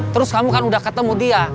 terus kamu kan udah ketemu dia